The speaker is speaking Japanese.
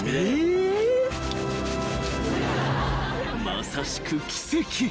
［まさしく奇跡］